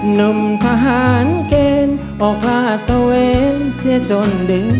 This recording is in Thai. หนุ่มพหารเกณฑ์ออกลาตัวเองเสียจนดึง